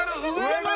すごい！